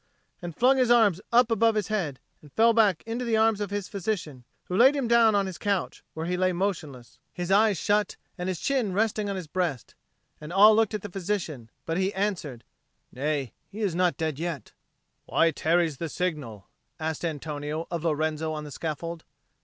and flung his arms up above his head and fell back into the arms of his physician, who laid him down on his couch, where he lay motionless, his eyes shut and his chin resting on his breast. And all looked at the physician, but he answered, "Nay, he is not dead yet." "Why tarries the signal?" asked Antonio of Lorenzo on the scaffold.